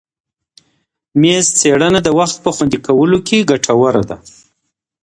میز څېړنه د وخت په خوندي کولو کي ګټوره ده.